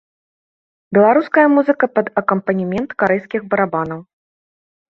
Беларуская музыка пад акампанемент карэйскіх барабанаў.